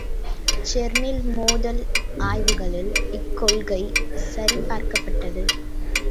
செர்னில் மோதல் ஆய்வுகளில் இக்கொள்கை சரிபார்க்கப்பட்டது.